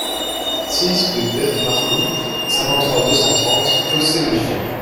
six rue Berthe Marcou, cinquante-trois, deux cent trente, Cossé-le-Vivien